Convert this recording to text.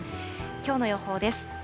きょうの予報です。